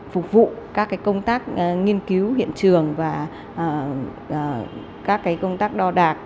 phục vụ các cái công tác nghiên cứu hiện trường và các cái công tác đo đạt